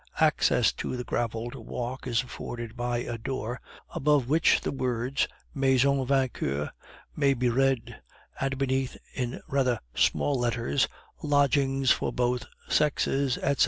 Access into the graveled walk is afforded by a door, above which the words MAISON VAUQUER may be read, and beneath, in rather smaller letters, "_Lodgings for both sexes, etc.